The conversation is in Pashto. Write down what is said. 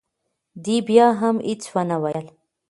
دې بیا هم هیڅ ونه ویل.